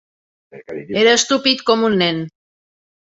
Era estúpid com un nen.